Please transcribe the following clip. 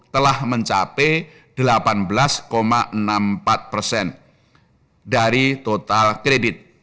telah mencapai delapan belas enam puluh empat persen dari total kredit